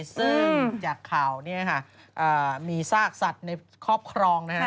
ซึ่งจากข่าวมีซากสัตว์ในครอบครองนะฮะ